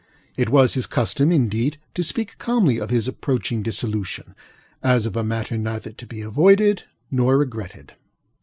It was his custom, indeed, to speak calmly of his approaching dissolution, as of a matter neither to be avoided nor regretted.